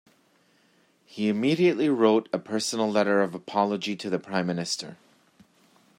He immediately wrote a personal letter of apology to the Prime Minister.